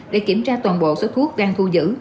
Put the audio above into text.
để kiểm tra toàn bộ số thuốc đang thu giữ